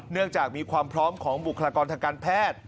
จากมีความพร้อมของบุคลากรทางการแพทย์